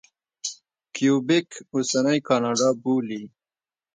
کیوبک اوسنۍ کاناډا بولي.